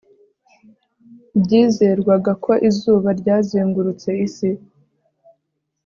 Byizerwaga ko izuba ryazengurutse isi